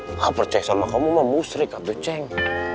apa percaya sama kamu mah musrik katu ceng